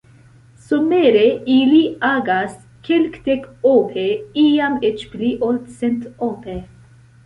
Somere ili agas kelkdek-ope, iam eĉ pli-ol-centope.